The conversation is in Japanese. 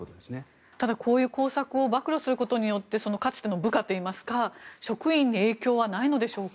ただ、こういう工作を暴露することによってかつての部下といいますか職員への影響はないのでしょうか。